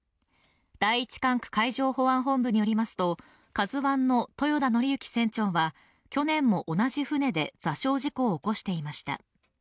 第一管区海上保安本部によりますと「ＫＡＺＵⅠ」の豊田徳幸船長は去年も同じ船で座礁事故を起こしていました。